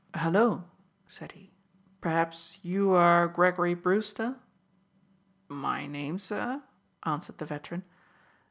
"Hullo!" said he; "perhaps you are Gregory Brewster?" "My name, sir," answered the veteran.